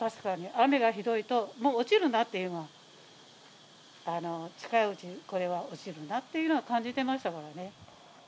雨がひどいと、もう落ちるなっていうのは、近いうちにこれは落ちるなというのは感じてましたからね。